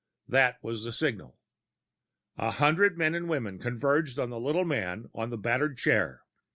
That was the signal. A hundred men and women converged on the little man on the battered chair.